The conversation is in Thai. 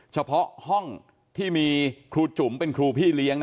เฉพาะห้องที่มีครูจุ๋มเป็นครูพี่เลี้ยง